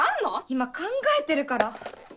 今考えてるから！